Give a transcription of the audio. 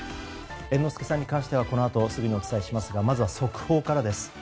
猿之助さんに関してはこのあとすぐにお伝えしますがまずは速報からです。